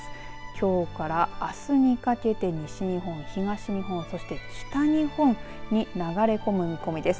きょうからあすにかけて西日本、東日本そして北日本に流れ込む見込みです。